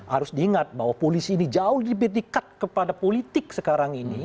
harus diingat bahwa polisi ini jauh lebih dekat kepada politik sekarang ini